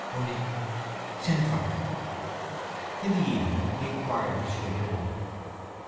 Only send for her!" In the evening he inquired if she had written.